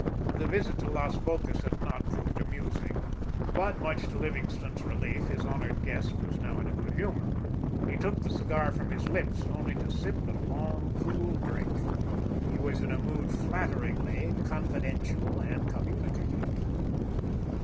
The visit to Las Bocas had not proved amusing, but, much to Livingstone's relief, his honored guest was now in good humor. He took his cigar from his lips, only to sip at a long cool drink. He was in a mood flatteringly confidential and communicative.